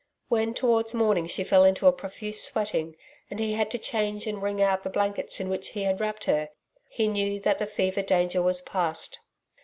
When towards morning she fell into a profuse sweating, and he had to change and wring out the blankets in which he had wrapped her, he knew that the fever danger was past.